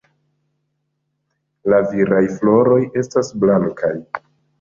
La viraj floroj estas blankaj.